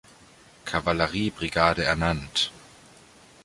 Kavalleriebrigade ernannt.